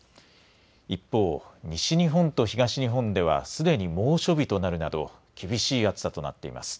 一方、西日本と東日本ではすでに猛暑日となるなど厳しい暑さとなっています。